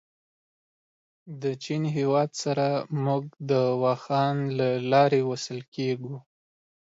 د چین هېواد سره موږ د واخان دلاري وصل کېږو.